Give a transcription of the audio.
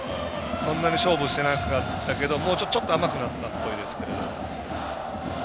そんなに勝負してなかったけど甘くなったっぽいですけど。